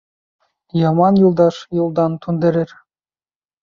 Яман юлдаш юлдан түндерер.